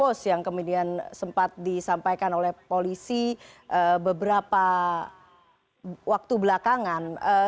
kasus yang kemudian sempat disampaikan oleh polisi beberapa waktu belakangan